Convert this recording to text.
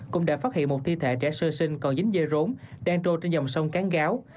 cũng đã phát hiện một thi thể trẻ sơ sinh còn dính dây rốn đang trôi trên dòng sông cán gáo